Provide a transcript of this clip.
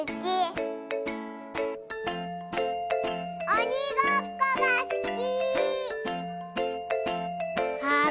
おにごっこがすき。